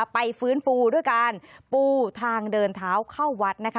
ไปฟื้นฟูด้วยการปูทางเดินเท้าเข้าวัดนะคะ